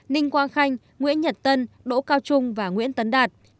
ninh quang khanh nguyễn nhật tân đỗ cao trung và nguyễn tấn đạt